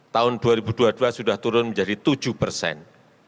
tahun dua ribu dua puluh dua sudah turun menjadi tujuh persen